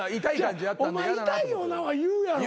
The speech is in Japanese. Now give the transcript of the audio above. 「お前痛いよな」は言うやろ。